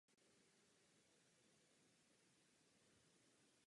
Peníze a sláva jsou pro něj až na druhém místě.